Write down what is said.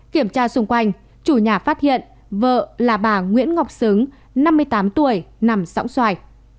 kiểm tra xung quanh chủ nhà phát hiện vợ là bà nguyễn ngọc xứng năm mươi tám tuổi nằm sõng xoài